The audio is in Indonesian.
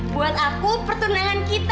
buat aku pertunangan kita